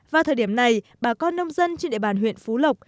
vào thời điểm này bà con nông dân trên địa bàn huyện phú lộc